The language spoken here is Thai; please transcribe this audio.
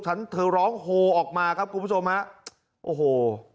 ฉันเธอร้องโฮออกมาครับคุณผู้ชมฮะโอ้โห